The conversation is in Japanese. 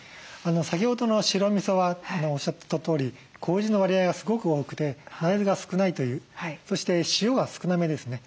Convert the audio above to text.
先ほどの白みそはおっしゃってたとおりこうじの割合がすごく多くて大豆が少ないというそして塩が少なめですね。